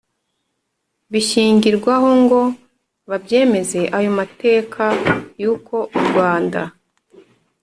Bishingirwaho ngo babyemeze ayo mateka y uko u rwanda